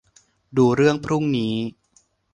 ดูเรื่องพรุ่งนี้